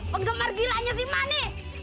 penggemar gilanya si mani